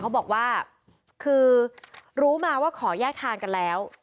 เขาบอกว่าคือรู้มาว่าขอแยกทางกันแล้ว